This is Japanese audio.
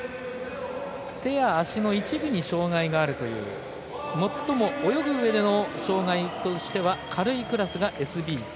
手や足の一部に障害があるという最も泳ぐうえでの障がいとしては軽いクラスがＳＢ９。